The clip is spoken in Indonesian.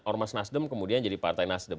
ormas nasdem kemudian jadi partai nasdem